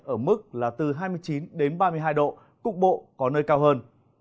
ở mức là từ hai mươi chín đến ba mươi hai độ cục bộ có nơi cao hơn